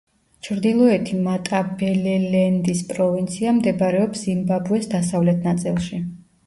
ჩრდილოეთი მატაბელელენდის პროვინცია მდებარეობს ზიმბაბვეს დასავლეთ ნაწილში.